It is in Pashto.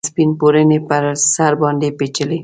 سپین پوړنې یې پر سر باندې پیچلي